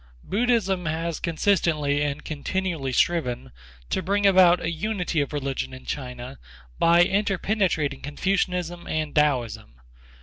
Buddhism has consistently and continually striven to bring about a unity of religion in China by interpenetrating Confucianism and Taoism.